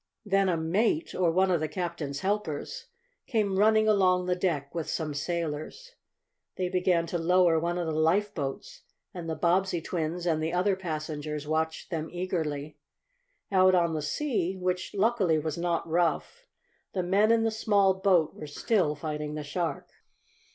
Then a mate, or one of the captain's helpers, came running along the deck with some sailors. They began to lower one of the lifeboats, and the Bobbsey twins and the other passengers watched them eagerly. Out on the sea, which, luckily, was not rough, the men in the small boat were still fighting the shark.